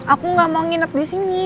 aku gak mau nginep disini